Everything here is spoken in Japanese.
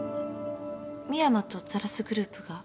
深山とザラスグループが？